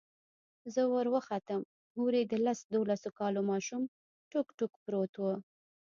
زه وروختم هورې د لس دولسو كالو ماشوم ټوك ټوك پروت و.